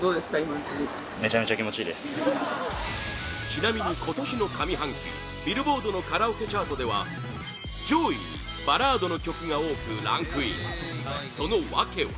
ちなみに、今年の上半期ビルボードのカラオケチャートでは上位にバラードの曲が多くランクインその訳は